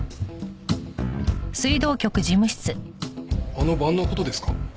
あの晩の事ですか？